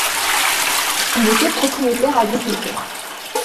Il était propriétaire-agriculteur.